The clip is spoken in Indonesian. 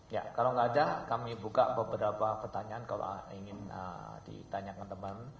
ya kalau nggak ada kami buka beberapa pertanyaan kalau ingin ditanyakan teman